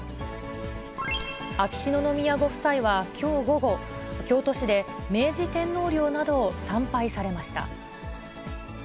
秋篠宮ご夫妻はきょう午後、京都市で明治天皇陵などを参拝されました。